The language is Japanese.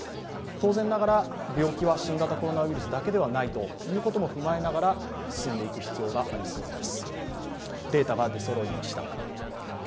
当然ながら、病気は新型コロナウイルスだけではないということも踏まえながら進んでいく必要がありそうです。